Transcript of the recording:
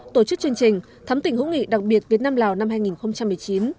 tổ chức chương trình thắm tỉnh hữu nghị đặc biệt việt nam lào năm hai nghìn một mươi chín